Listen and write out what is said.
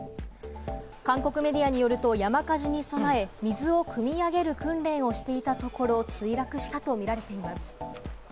韓国メディアによると、山火事に備え、水をくみ上げる訓練をしていたところ、墜落したとみられています。